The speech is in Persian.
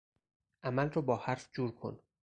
عمل را با حرف جورکن.